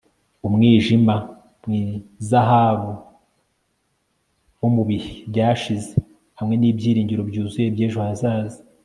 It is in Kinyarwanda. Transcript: Umwijima wizahabu wo mu bihe byashize hamwe nibyiringiro byuzuye byejo hazaza